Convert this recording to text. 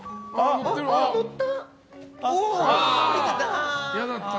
乗った！